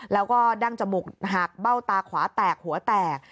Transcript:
แล้วก็ดั้งจมูกหักเบ้าตาขวาแตกหัวแตก